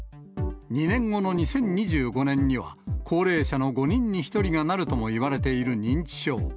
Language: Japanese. ２年後の２０２５年には、高齢者の５人に１人がなるともいわれている認知症。